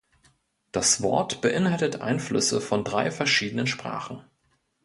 Das Wort beinhaltet Einflüsse von drei verschiedenen Sprachen.